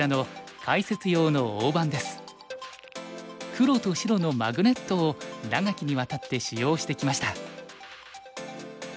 黒と白のマグネットを長きにわたって使用してきました。